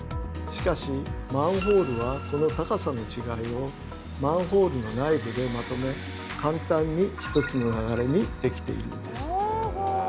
しかしマンホールはこの高さの違いをマンホールの内部でまとめ簡単に１つの流れにできているんです。